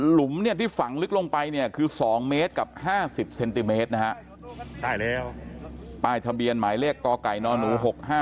เนี่ยที่ฝังลึกลงไปเนี่ยคือ๒เมตรกับ๕๐เซนติเมตรนะฮะป้ายทะเบียนหมายเลขกไก่นหนู๖๕